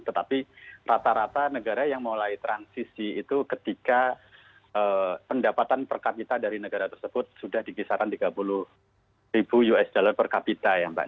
tetapi rata rata negara yang mulai transisi itu ketika pendapatan per kapita dari negara tersebut sudah dikisaran tiga puluh ribu usd per kapita ya mbak